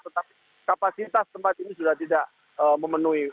tetapi kapasitas tempat ini sudah tidak memenuhi